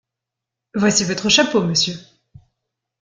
Voici votre chapeau, monsieur.